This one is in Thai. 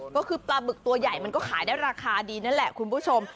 ก็คือปลาบึกตัวใหญ่มันก็ขายได้ราคาดีนั่นแหละคุณผู้ชม